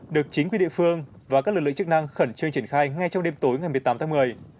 được chính quyền địa phương và các lực lượng chức năng khẩn trương triển khai ngay trong đêm tối ngày một mươi tám tháng một mươi